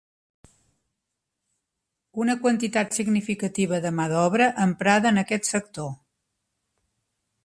Una quantitat significativa de mà d'obra emprada en aquest sector.